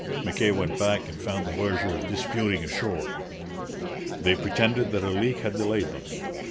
Mackay went back and found the voyageurs disputing ashore. They pretended that a leak had delayed them.